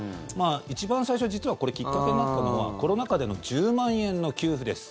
一番最初、実はきっかけになったのはコロナ禍での１０万円の給付です。